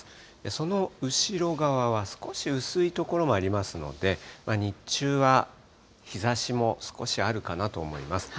その後ろ側は、少し薄い所もありますので、日中は日ざしも少しあるかなと思います。